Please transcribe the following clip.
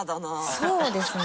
そうですね